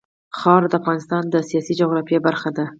خاوره د افغانستان د سیاسي جغرافیه برخه ده.